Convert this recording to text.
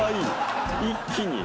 一気に。